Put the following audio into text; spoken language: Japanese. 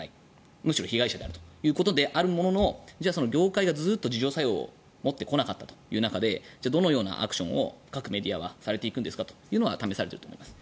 むしろ被害者であるということであるものの業界がずっと自浄作用を持ってこなかったという中でどのようなアクションを各メディアはされていくんですかというのは試されていると思います。